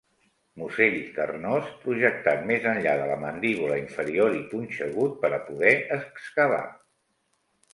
Musell carnós, projectat més enllà de la mandíbula inferior i punxegut per a poder excavar.